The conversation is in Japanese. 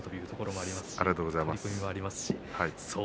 ありがとうございます。